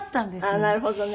あっなるほどね。